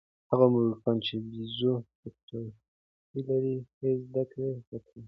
هغه موږکان چې د بیزو بکتریاوې لري، ښې زده کړې وکړې.